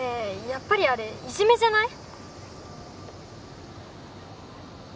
やっぱりあれいじめじゃない？